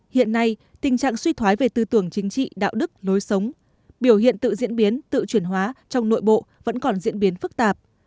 hiện nay tình trạng suy thoái về tư tưởng chính trị đạo đức lối sống biểu hiện tự diễn biến tự chuyển hóa trong nội bộ vẫn còn diễn biến phức tạp